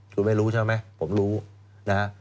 คุณไม่รู้ใช่ไหมผมรู้นะฮะ